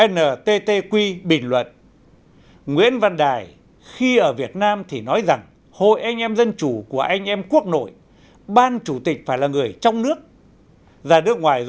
nttq bình luận